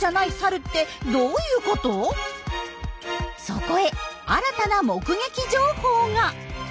そこへ新たな目撃情報が。